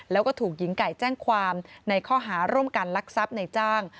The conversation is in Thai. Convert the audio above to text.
แล้วก็ถูกหญิงไก่แจ้งความในข้อหาร่วมกันลักทรัพย์ในจ้าง